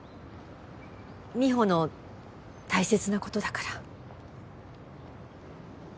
美帆の大切なことだから。